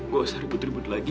gak usah ribut ribut lagi